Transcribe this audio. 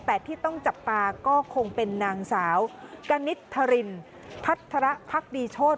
แต่ที่ต้องจับตาก็คงเป็นนางสาวกณิตธรินพัฒระพักดีโชธ